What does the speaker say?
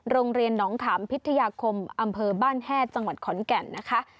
โรงเรียนหนองถามพิทยาคมอำเภอบ้านแฮดจังหวัดขอนแก่นนะคะ